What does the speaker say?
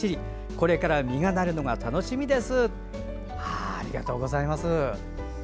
これから実がなるのが楽しみです。